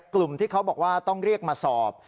กลุ่มที่เขาบอกว่าต้องเรียกมาสอบ